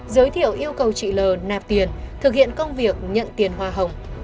giới thiệu yêu cầu chị l nạp tiền thực hiện công việc nhận tiền hoa hồng